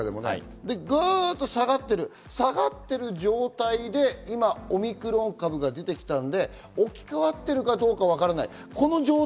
グっと下がっている状態で今、オミクロン株が出てきたので、置き換わっているかどうかはわからない。